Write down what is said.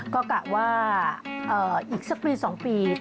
ก็กะว่าอีกสักปี๒ปี